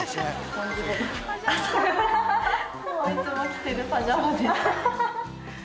今日はいつも着てるパジャマです。